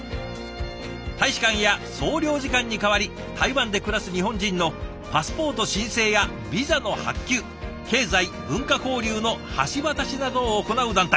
大使館や総領事館に代わり台湾で暮らす日本人のパスポート申請やビザの発給経済文化交流の橋渡しなどを行う団体。